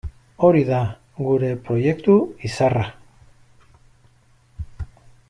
Hori da gure proiektu izarra.